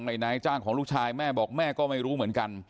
นายจ้างของลูกชายแม่บอกแม่ก็ไม่รู้เหมือนกัน